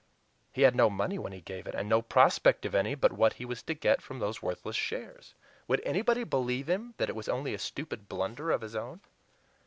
He had no money when he gave it, and no prospect of any but what he was to get from those worthless shares. Would anybody believe him that it was only a stupid blunder of his own?